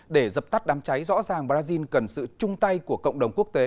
để dập tắt đám cháy rõ ràng brazil cần sự chung tay của cộng đồng quốc tế